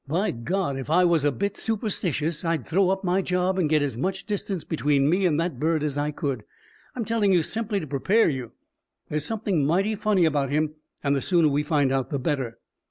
By God, if I was a bit superstitious, I'd throw up my job and get as much distance between me and that bird as I could. I'm telling you simply to prepare you. There's something mighty funny about him, and the sooner we find out, the better."